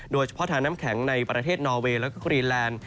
โดยเฉพาะทางน้ำแข็งในประเทศนอเวย์แล้วก็ครีนแลนด์